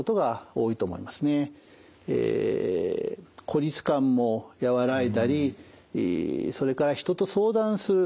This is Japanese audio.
孤立感も和らいだりそれから人と相談する。